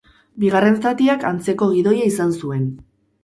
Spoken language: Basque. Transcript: Bigarren zatiak antzeko gidoia izan zuen.